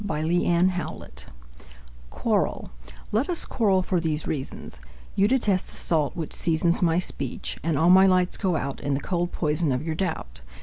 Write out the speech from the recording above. Elinor Wylie Quarrel LET us quarrel for these reasons: You detest the salt which seasons My speech ... and all my lights go out In the cold poison of your doubt.